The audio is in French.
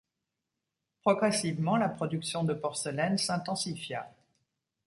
Progressivement, la production de porcelaine s'intensifia.